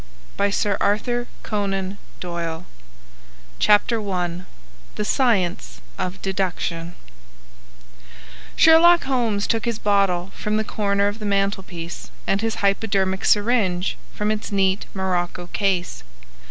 The Strange Story of Jonathan Small Chapter I The Science of Deduction Sherlock Holmes took his bottle from the corner of the mantel piece and his hypodermic syringe from its neat morocco case.